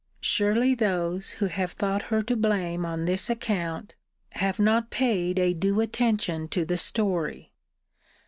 Surely those, who have thought her to blame on this account, have not paid a due attention to the story.